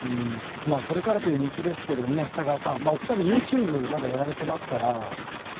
これからという道ですけれどもね、長谷川さん、お２人ともユーチューブまだやられてますから。